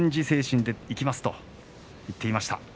精神でいきますと言っていました。